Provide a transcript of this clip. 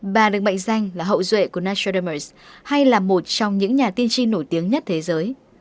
bà được mệnh danh là hậu duệ của natramis hay là một trong những nhà tiên tri nổi tiếng nhất thế giới